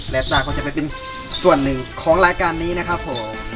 และตาก็จะไปเป็นส่วนหนึ่งของรายการนี้นะครับผม